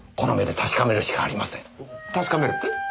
確かめるって？